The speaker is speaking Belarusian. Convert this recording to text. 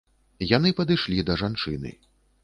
Яны падышлі да жанчыны.